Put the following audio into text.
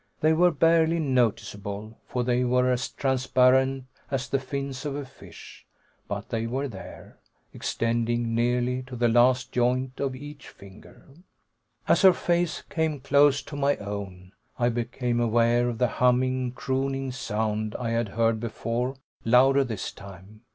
They were barely noticeable, for they were as transparent as the fins of a fish, but they were there, extending nearly to the last joint of each finger. As her face came close to my own, I became aware of the humming, crooning sound I had heard before, louder this time.